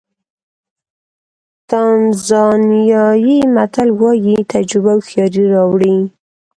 تانزانیایي متل وایي تجربه هوښیاري راوړي.